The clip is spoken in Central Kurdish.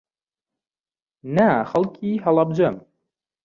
نا، خەڵکی هەڵەبجەم.